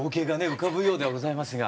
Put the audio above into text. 浮かぶようではございますが。